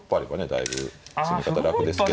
だいぶ攻め方楽ですけど。